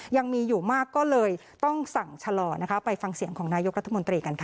ยังมีอยู่มากก็เลยต้องสั่งชะลอนะคะไปฟังเสียงของนายกรัฐมนตรีกันค่ะ